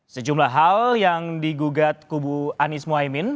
sejumlah hal yang digugat kubu anies mohaimin